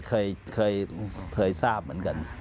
เคยทราบเหมือนกัน